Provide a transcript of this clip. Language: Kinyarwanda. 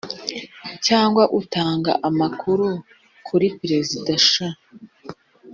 cyangwa utanga amakuru ku iperereza sha